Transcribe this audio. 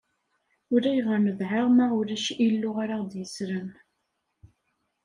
Ulayɣer nedɛa ma ulac illu ara ɣ-d-yeslen.